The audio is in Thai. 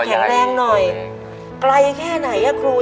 ในแคมเปญพิเศษเกมต่อชีวิตโรงเรียนของหนู